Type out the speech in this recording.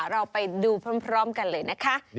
เราไปดูพร้อมกันเลยนะคะ